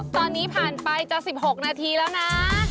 ตอนนี้ผ่านไปจะ๑๖นาทีแล้วนะ